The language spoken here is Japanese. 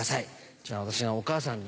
じゃあ私がお母さんに。